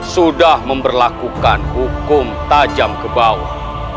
sudah memperlakukan hukum tajam ke bawah